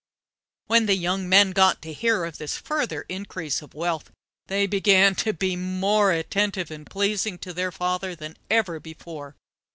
When the young men got to hear of this further increase of wealth they began to be more attentive and pleasing to their father than ever before.